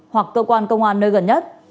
hoặc cơ quan công an nơi gần nhất